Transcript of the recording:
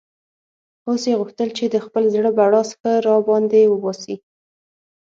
اوس یې غوښتل چې د خپل زړه بړاس ښه را باندې وباسي.